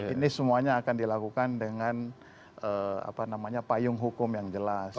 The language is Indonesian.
ini semuanya akan dilakukan dengan payung hukum yang jelas